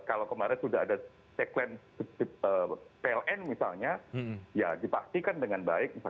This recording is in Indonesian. kalau kemarin sudah ada segmen pln misalnya ya dipastikan dengan baik